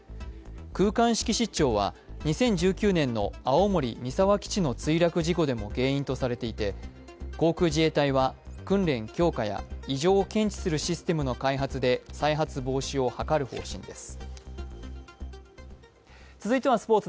空間識失調は２０１９年の青森・三沢基地の墜落事故でも原因とされていて航空自衛隊は訓練強化や異常を検知するシステムの開発で再発防止を図る方針です。